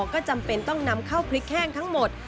ก็จำเป็นต้องนำข้าวพริกแห้งทั้งหมด